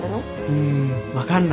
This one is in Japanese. うん分かんない。